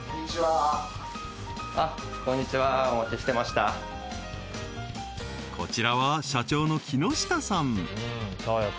こんにちはこちらは社長の木下さん